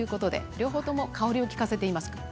両方とも香りを利かせています。